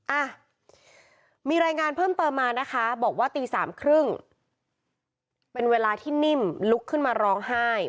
อ่ะมีรายงานเพิ่มเติมมานะคะบอกว่าตีสามครึ่งเป็นเวลาที่นิ่มลุกขึ้นมาร้องไห้